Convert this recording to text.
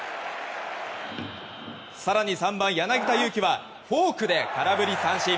更に３番、柳田悠岐はフォークで空振り三振！